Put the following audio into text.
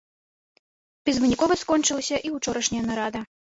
Безвынікова скончылася і ўчорашняя нарада.